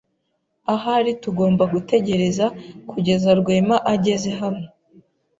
Ahari tugomba gutegereza kugeza Rwema ageze hano.